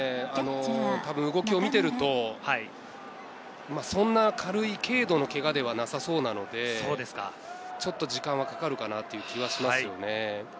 たぶん動きを見ていると、そんな軽い程度のけがではなさそうなので、ちょっと時間はかかるかなという気はしますよね。